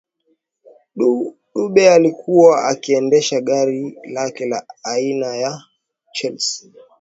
Dube alikuwa akiendesha gari lake la aina ya Chrysler